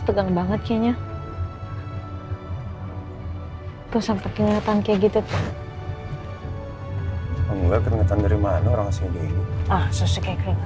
tegang banget kayaknya tuh sampai keringetan kayak gitu tuh enggak keringetan dari mana orang sini